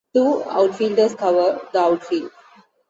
Two "outfielders" cover the outfield.